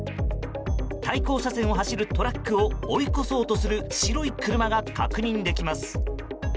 対向車線を走るトラックを追い越そうとする白い車が確認できます。